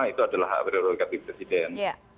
itu adalah prerogatif presiden